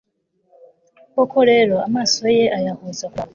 koko rero, amaso ye ayahoza ku bantu